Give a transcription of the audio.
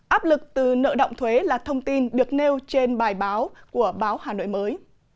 áp lực từ nợ động thuế là thông tin được nêu trên bài báo của báo hà nội mới